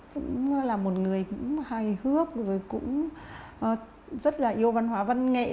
cũng là một người hài hước rất là yêu văn hóa văn nghệ